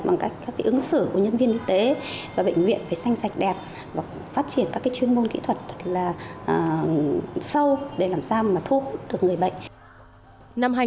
bằng các ứng xử của nhân viên y tế và bệnh viện phải xanh sạch đẹp và phát triển các chuyên môn kỹ thuật thật là sâu để làm sao mà thu hút được người bệnh